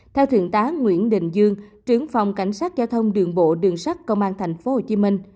theo thượng tá nguyễn đình dương trưởng phòng cảnh sát giao thông đường bộ đường sắt công an tp hcm